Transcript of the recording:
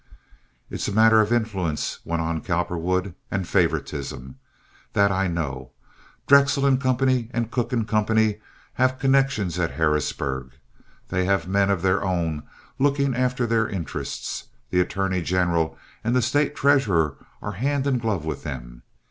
"It's a matter of influence," went on Cowperwood. "And favoritism. That I know. Drexel & Company and Cooke & Company have connections at Harrisburg. They have men of their own looking after their interests. The attorney general and the State treasurer are hand in glove with them.